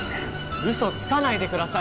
嘘つかないでください